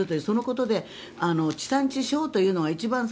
そのことで、地産地消というのが一番